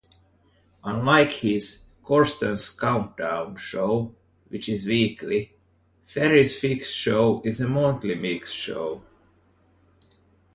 Unlike his "Corsten's Countdown" show which is weekly, "Ferry's Fix" is a monthly mixshow.